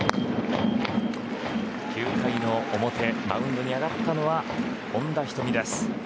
９回の表マウンドに上がったのは本田仁海です。